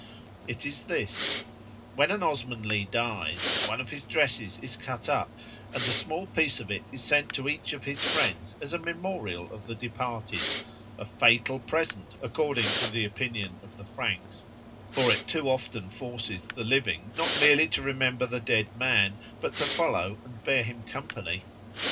It is this; when an Osmanlee dies, one of his dresses is cut up, and a small piece of it is sent to each of his friends as a memorial of the departed—a fatal present, according to the opinion of the Franks, for it too often forces the living not merely to remember the dead man, but to follow and bear him company.